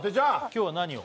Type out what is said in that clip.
今日は何を？